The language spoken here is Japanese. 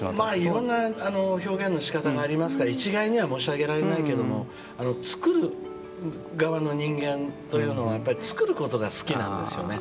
いろいろな表現の仕方があるから一概には申し上げられないけど作る側の人間というのは作ることが好きなんですよね。